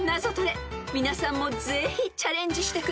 ［皆さんもぜひチャレンジしてください］